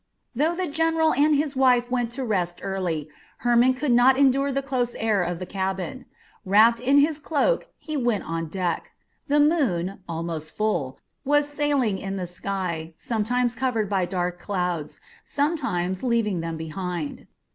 Though the general and his wife went to rest early, Hermon could not endure the close air of the cabin. Wrapped in his cloak he went on deck. The moon, almost full, was sailing in the sky, sometimes covered by dark clouds, sometimes leaving them behind.